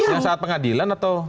yang saat pengadilan atau